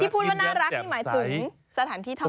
พูดว่าน่ารักนี่หมายถึงสถานที่ท่องเที่ยว